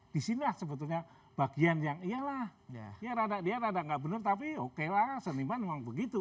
disinilah sebetulnya bagian yang iyalah ya rada rada gak bener tapi oke lah seniman memang begitu